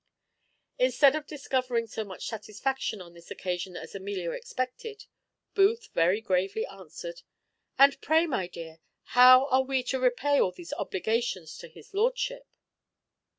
Instead of discovering so much satisfaction on this occasion as Amelia expected, Booth very gravely answered, "And pray, my dear, how are we to repay all these obligations to his lordship?"